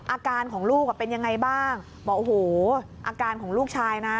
อาการของลูกเป็นยังไงบ้างบอกโอ้โหอาการของลูกชายนะ